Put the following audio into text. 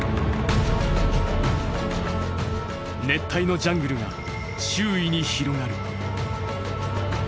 熱帯のジャングルが周囲に広がる。